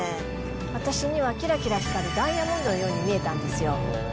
私にはきらきら光るダイヤモンドのように見えたんですよ。